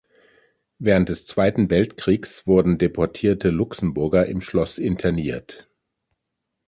Während des Zweiten Weltkriegs wurden deportierte Luxemburger im Schloss interniert.